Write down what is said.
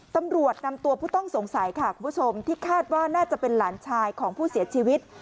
ตำรวจนำตัวผู้ต้องสงสัยค่ะคุณผู้ชมที่คาดว่าน่าจะเป็นหลานชายของผู้เสียชีวิต